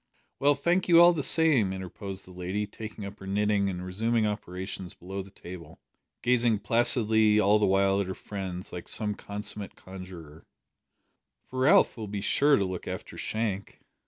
"Well, thank you all the same," interposed the lady, taking up her knitting and resuming operations below the table, gazing placidly all the while at her friends like some consummate conjuror, "for Ralph will be sure to look after Shank."